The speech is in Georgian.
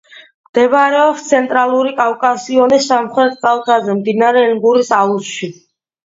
მდებარეობს ცენტრალური კავკასიონის სამხრეთ კალთაზე, მდინარე ენგურის აუზში.